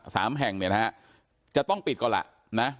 สามแห่งเนี่ยนะฮะจะต้องปิดก่อนล่ะนะ